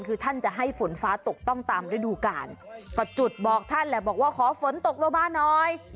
คือท่านจะให้ฝนฟ้าตกต้องตามฤดูกาลก็จุดบอกท่านแหละบอกว่าขอฝนตกลงมาหน่อย